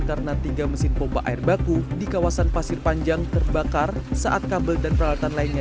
karena tiga mesin pompa air baku di kawasan pasir panjang terbakar saat kabel dan peralatan lainnya